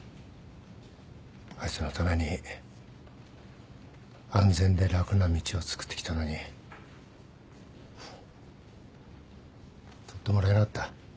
あいつのために安全で楽な道をつくってきたのに通ってもらえなかった。